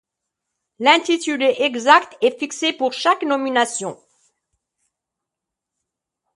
L'intitulé exact est fixé pour chaque nomination.